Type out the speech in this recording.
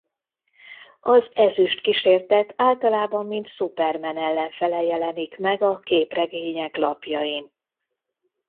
Az Ezüst Kísértet általában mint Superman ellenfele jelenik meg a képregények lapjain.